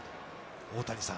大谷さん。